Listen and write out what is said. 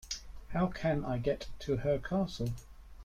How can I get to her castle?